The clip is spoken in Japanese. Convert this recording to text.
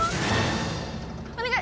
お願い！